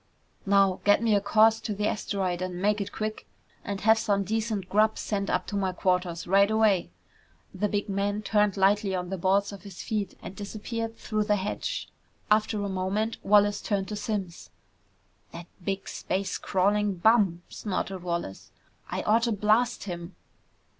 "Now get me a course to the asteroid and make it quick. And have some decent grub sent up to my quarters right away!" The big man turned lightly on the balls of his feet and disappeared through the hatch. After a moment, Wallace turned to Simms. "That big space crawling bum!" snorted Wallace. "I oughta blast him!"